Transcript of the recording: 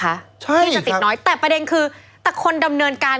ที่จะติดน้อยแต่ประเด็นคือแต่คนดำเนินการ